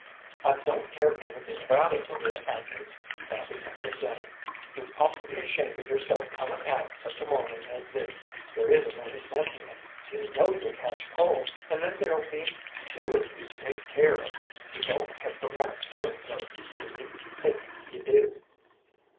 "I don't care anything about it, Maria Atkins," Abby was saying, "you ought to be ashamed of yourself coming out such a morning as this. There isn't any sense in it. You know you'll catch cold, and then there'll be two of you to take care of. You don't help a mite doing so, you needn't think you do."